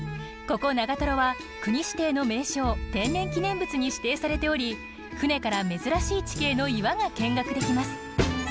ここ長は国指定の名勝天然記念物に指定されており舟から珍しい地形の岩が見学できます。